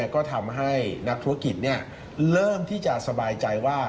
ก็ทำให้นักธุรกิจเริ่มที่จะสบายใจว่า